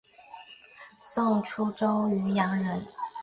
宋初蓟州渔阳人。